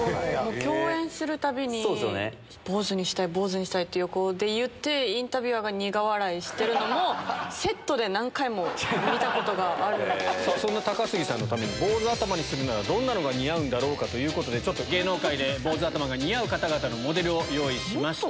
共演するたびに、坊主にしたい、坊主にしたいって横で言って、インタビュアーが苦笑いしてるのも、セットで何回も見たことがあそんな高杉さんのために、坊主頭にするならどんなのが似合うんだろうかということで、ちょっと芸能界で坊主頭が似合う方々のモデルを用意しました。